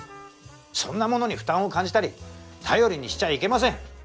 そんなものに負担を感じたり頼りにしちゃいけません。